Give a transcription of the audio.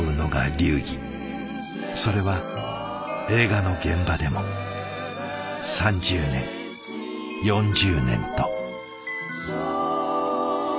それは映画の現場でも３０年４０年と。